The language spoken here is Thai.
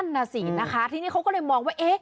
น่ะสินะคะทีนี้เขาก็เลยมองว่า